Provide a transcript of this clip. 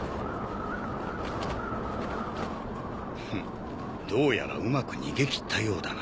フッどうやらうまく逃げ切ったようだな。